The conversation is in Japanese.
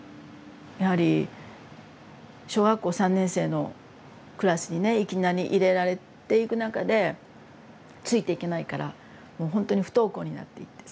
やはり小学校３年生のクラスにねいきなり入れられていく中でついていけないからもうほんとに不登校になっていって。